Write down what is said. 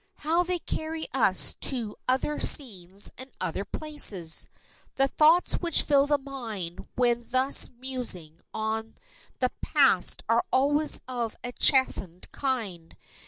How they carry us to other scenes and other places! The thoughts which fill the mind when thus musing on the past are always of a chastened kind.